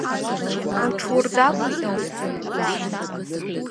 Уҽурдагәеит ауп зынӡа.